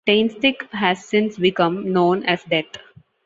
Taintstick has since become known as Death!